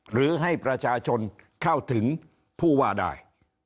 หรือให้ประชาชนเข้าถึงผู้ว่าได้